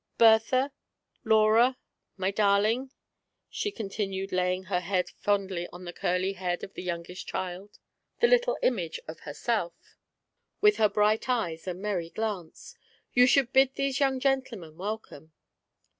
Berthar— Laura — my darling," she con tinued, laying her hand fondly on the curly head of the youngest chCd, the little image of herself with her 14 THE ARRIVAL. bright eyes and merry glance, "you should bid these young gentlemen welcome."